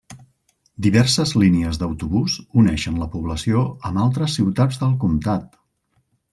Diverses línies d'autobús uneixen la població amb altres ciutats del comtat.